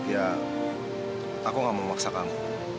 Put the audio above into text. ya aku gak memaksa kamu